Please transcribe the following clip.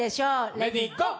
レディ・ゴー！